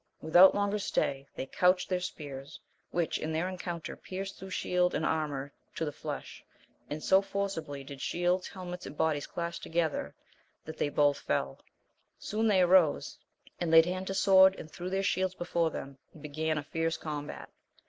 Without longer stay they couched their spears, which in their encounter pierced through shield and armour to the flesh, and so forcibly did shields, helmets and bodies clash together that they both fell. Soon they arose, and laid hand to sword, and threw their shields before them and began a fierce combat.